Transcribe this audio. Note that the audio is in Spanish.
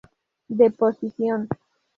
De posición.